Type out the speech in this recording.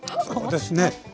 そうですね。